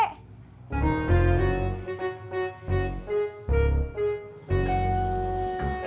terima pesanan kue